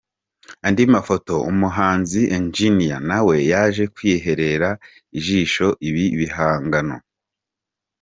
Andi mafoto:Umuhanzi Engeneer nawe yaje kwihera ijisho ibi bihangano.